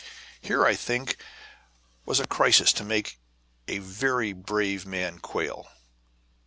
Here, I think, was a crisis to make a very brave man quail.